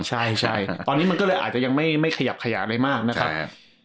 ใช่ตอนนี้มันก็เลยอาจจะยังไม่ขยับขยายอะไรมากนะครับ